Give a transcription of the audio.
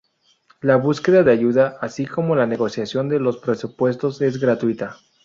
La búsqueda de ayuda así como la negociación de los presupuestos es gratuita.